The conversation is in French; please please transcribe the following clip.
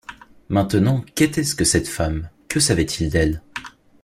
Maintenant, qu’était-ce que cette femme? que savait-il d’elle ?